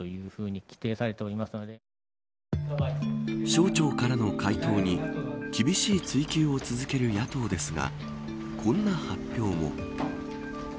省庁からの回答に厳しい追及を続ける野党ですがこんな発表も。